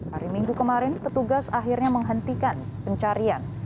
hari minggu kemarin petugas akhirnya menghentikan pencarian